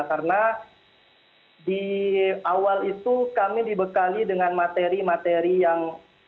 karena di awal itu kami dibekali dengan materi materi yang